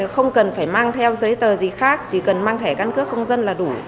không cần phải mang theo giấy tờ gì khác chỉ cần mang thẻ căn cước công dân là đủ